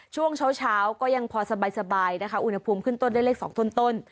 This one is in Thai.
ช่วงเช้าก็ยังพอสบายนะคะอุณหภูมิขึ้นต้นได้เลข๒ต้น